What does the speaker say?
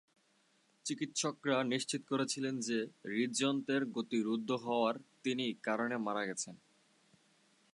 চিকিৎসকরা নিশ্চিত করেছিলেন যে হৃদযন্ত্রের গতি রুদ্ধ হওয়ার তিনি কারণে মারা গেছেন।